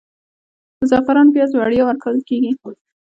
د زعفرانو پیاز وړیا ورکول کیږي؟